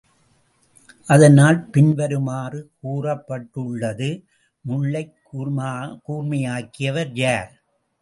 அதனால் பின்வருமாறு கூறப்பட்டுள்ளது முள்ளைக் கூர்மையாக்கியவர் யார்?